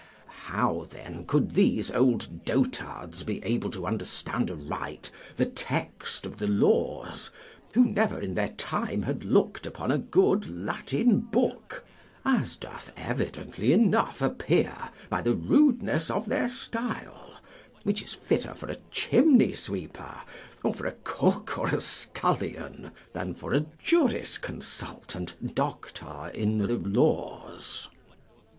How then could these old dotards be able to understand aright the text of the laws who never in their time had looked upon a good Latin book, as doth evidently enough appear by the rudeness of their style, which is fitter for a chimney sweeper, or for a cook or a scullion, than for a jurisconsult and doctor in the laws?